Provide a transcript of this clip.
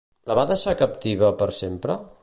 La va deixar captiva per sempre?